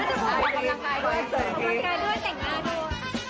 ขอบคำงะกายด้วยแต่งอ่าด้วย